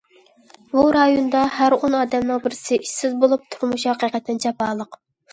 بۇ رايوندا، ھەر ئون ئادەمنىڭ بىرسى ئىشسىز بولۇپ، تۇرمۇشى ھەقىقەتەن جاپالىق.